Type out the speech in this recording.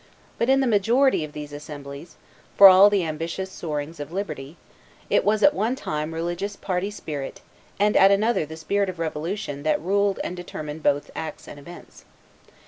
but in the majority of these assemblies, for all the ambitious soarings of liberty, it was at one time religious party spirit and at another the spirit of revolution that ruled and determined both acts and events.